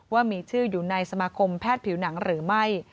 ว่ามีชื่ออยู่ในสมาคมแพทย์ผิวหนังหรือไม่